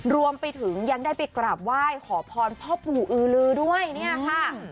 รวมไปถึงยังได้ไปกราบไหว้ขอพรพ่อปู่อือลือด้วยเนี่ยค่ะ